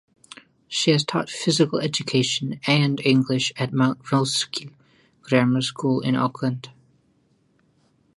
She has taught physical education and English at Mount Roskill Grammar School in Auckland.